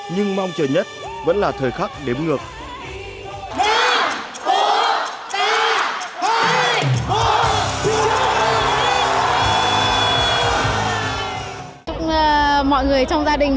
nhưng mong chờ nhất vẫn là thời khắc đếm ngược